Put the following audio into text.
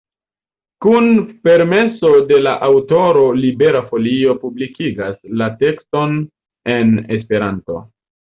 Kun permeso de la aŭtoro Libera Folio publikigas la tekston en Esperanto.